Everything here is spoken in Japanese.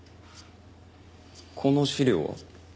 この資料は？